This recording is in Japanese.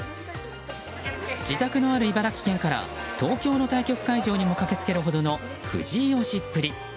自宅のある茨城県から東京の対局会場にも駆けつけるほどの藤井推しっぷり。